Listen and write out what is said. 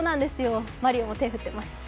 マリオも手を振っています。